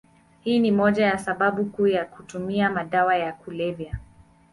Hii ni moja ya sababu kuu ya kutumia madawa ya kulevya.